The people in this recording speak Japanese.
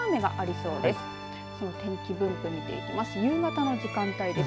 その天気分布、見ていきます。